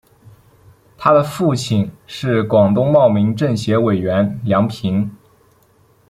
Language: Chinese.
她的父亲是广东茂名政协委员梁平。